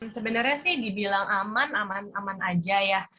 sebenarnya sih dibilang aman aman aman aja ya